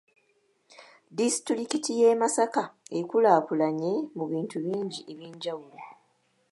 Disitulikiti y'e masaka ekulaakulanye mu bintu bingi eby'enjawulo.